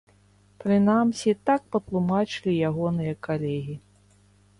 Прынамсі, так патлумачылі ягоныя калегі.